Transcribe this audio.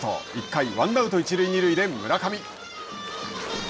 １回、ワンアウト一塁二塁で村上。